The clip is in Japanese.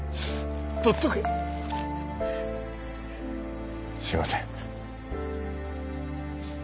取っとけすいません